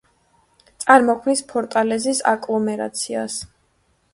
წარმოქმნის ფორტალეზის აგლომერაციას.